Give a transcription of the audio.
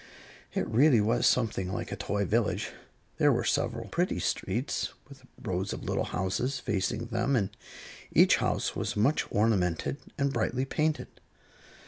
It really was something like a toy village. There were several pretty streets, with rows of little houses facing them, and each house was much ornamented and brightly painted.